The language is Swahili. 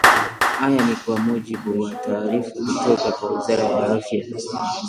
haya ni kwa mujibu wa taarifa kutoka kwa wizara ya afya